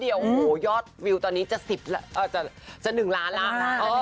เดี๋ยวโหยอดวิวตอนนี้จะสิบอ่าจะจะหนึ่งล้านละหนึ่งล้าน